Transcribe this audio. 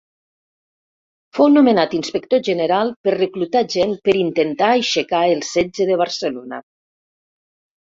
Fou nomenat inspector general per reclutar gent per intentar aixecar el setge de Barcelona.